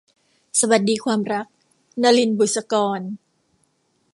สวัสดีความรัก - นลิน บุษกร